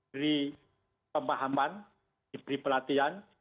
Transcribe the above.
diberi pemahaman diberi pelatihan